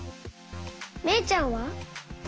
めいちゃんは？